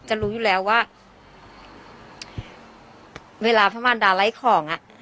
รู้อยู่แล้วว่าเวลาพระมารดาไล่ของอ่ะ